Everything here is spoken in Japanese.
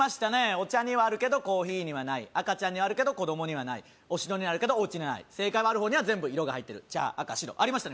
お茶にはあるけどコーヒーにはない赤ちゃんにはあるけど子供にはないお城にはあるけどおうちにない正解はある方には全部色が入ってる茶赤白ありましたね